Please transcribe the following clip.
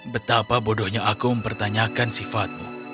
betapa bodohnya aku mempertanyakan sifatmu